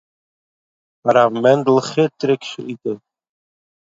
"הרב מענדל חיטריק שליט"א"